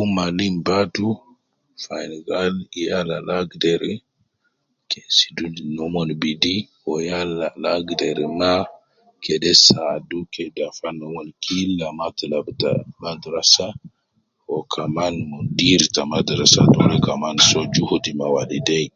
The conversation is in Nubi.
Umma lim badu, fi ayin gal yal al agder ,ke zidu nomon bidi wu yal al agder ma, kede saadu ke dafa nomon killa matilab ta madrasa, wu kaman diri ta madrasa dole kaman soo juhudi na waleidein